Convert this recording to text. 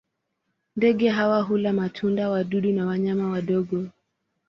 Ndege hawa hula matunda, wadudu na wanyama wadogo.